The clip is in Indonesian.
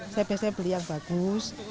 saya biasanya beli yang bagus